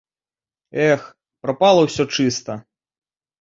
Эх, прапала ўсё чыста!